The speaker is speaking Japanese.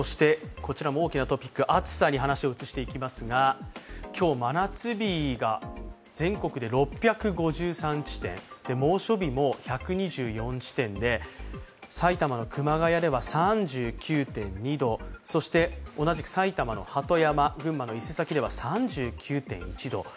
こちらも大きなトピック、暑さに話を移していきますが、今日、真夏日が全国で６５３地点猛暑日も１２４地点で、埼玉の熊谷では３９．２度、そして同じく埼玉の鳩山、群馬の伊勢崎では３９．１度。